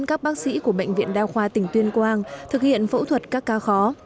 các bác sĩ của bệnh viện đa khoa tỉnh tuyên quang thực hiện phẫu thuật các ca khó